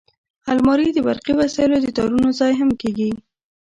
الماري د برقي وسایلو د تارونو ځای هم کېږي